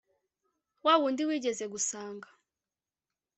wa wundi wigeze gusanga